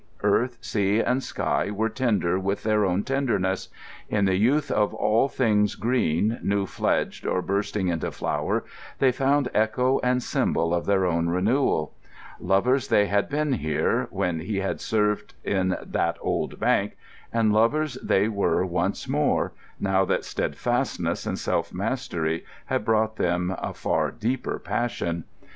Earth, sea, and sky were tender with their own tenderness; in the youth of all things green, new fledged, or bursting into flower, they found echo and symbol of their own renewal. Lovers they had been here, when he had served in "that old bank"; and lovers they were once more, now that steadfastness and self mastery had brought them a far deeper passion.